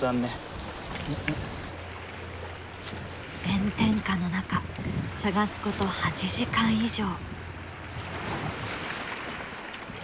炎天下の中探すこと８時間以上。